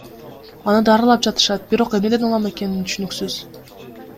Аны даарылап жатышат, бирок эмнеден улам экени түшүнүксүз.